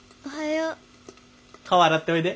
顔洗っておいで。